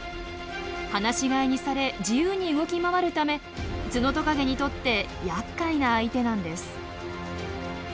放し飼いにされ自由に動き回るためツノトカゲにとってやっかいな相手なんです。